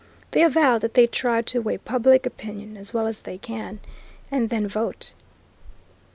They avow that they try to weigh public opinion, as well as they can, and then vote.